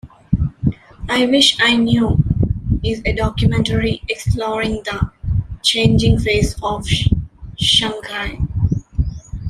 "I Wish I Knew" is a documentary exploring the changing face of Shanghai.